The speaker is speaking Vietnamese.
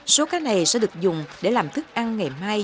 số cá này sẽ được dùng để làm thức ăn ngày mai